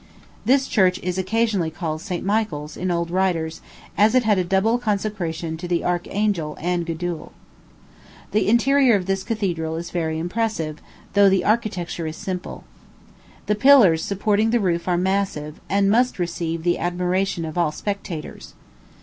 This church is occasionally called St. Michael's in old writers, as it had a double consecration to the archangel and Gudule. The interior of this cathedral is very impressive, although the architecture is simple. The pillars supporting the roof are massive, and must receive the admiration of all spectators.